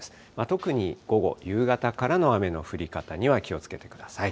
特に午後、夕方からの雨の降り方には気をつけてください。